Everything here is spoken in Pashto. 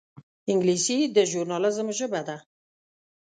انګلیسي د ژورنالېزم ژبه ده